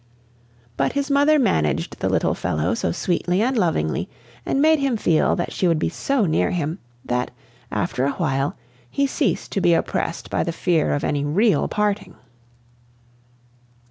But his mother managed the little fellow so sweetly and lovingly, and made him feel that she would be so near him, that, after a while, he ceased to be oppressed by the fear of any real parting.